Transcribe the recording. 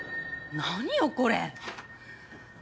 何よこれ。